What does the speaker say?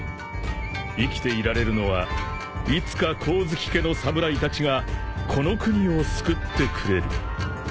［生きていられるのはいつか光月家の侍たちがこの国を救ってくれる］